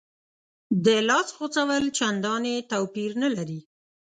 د لاس غوڅول چندانې توپیر نه لري.